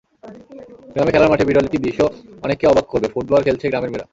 গ্রামের খেলার মাঠে বিরল একটি দৃশ্য অনেককে অবাক করবে—ফুটবল খেলছে গ্রামের মেয়েরা।